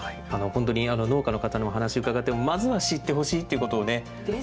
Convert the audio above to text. ほんとに農家の方のお話伺ってもまずは知ってほしいっていうことをね。ですよね。